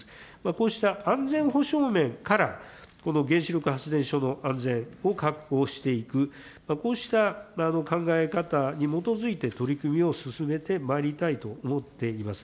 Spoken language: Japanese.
こうした安全保障面から、この原子力発電所の安全を確保していく、こうした考え方に基づいて取り組みを進めてまいりたいと思っています。